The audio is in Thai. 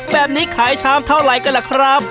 แบบนี้ขายชามเท่าไหร่กันล่ะครับ